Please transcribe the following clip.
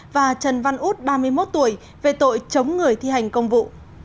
và trần văn út ba mươi một tuổi về tội chống người thi hành công vụ